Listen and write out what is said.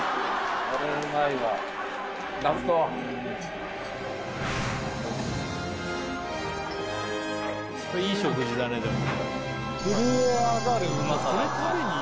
これいい食事だねでも。